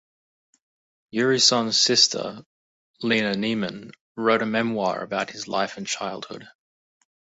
Urysohn's sister, Lina Neiman wrote a memoir about his life and childhood.